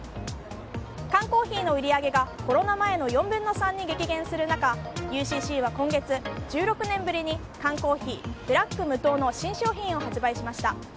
缶コーヒーの売り上げがコロナ前の４分の３に激減する中ＵＣＣは今月１６年ぶりに缶コーヒーＢＬＡＣＫ無糖の新商品を発売しました。